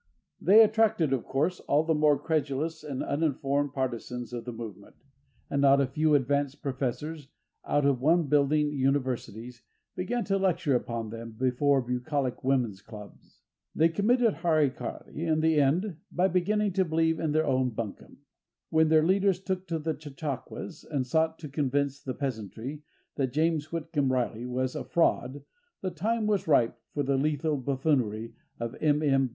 They attracted, of course, all the more credulous and uninformed partisans of the movement, and not a few advanced professors out of one building universities began to lecture upon them before bucolic women's clubs. They committed hari kari in the end by beginning to believe in their own buncombe. When their leaders took to the chautauquas and sought to convince the peasantry that James Whitcomb Riley was a fraud the time was ripe for the lethal buffoonery of MM.